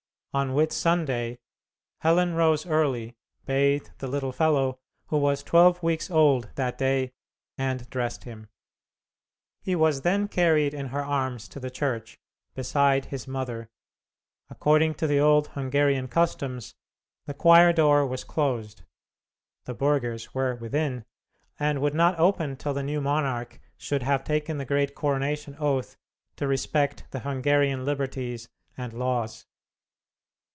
On Whitsunday, Helen rose early, bathed the little fellow, who was twelve weeks old that day, and dressed him. He was then carried in her arms to the church, beside his mother. According to the old Hungarian customs the choir door was closed, the burghers were within, and would not open till the new monarch should have taken the great coronation oath to respect the Hungarian liberties and laws.